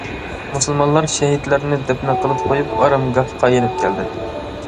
مۇسۇلمانلار شېھىتلەرنى دەپنە قىلىپ قويۇپ ئارامگاھقا يېنىپ كەلدى.